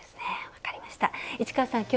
分かりました。